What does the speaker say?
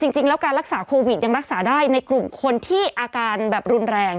จริงแล้วการรักษาโควิดยังรักษาได้ในกลุ่มคนที่อาการแบบรุนแรง